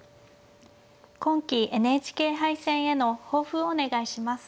今期ＮＨＫ杯戦への抱負をお願いします。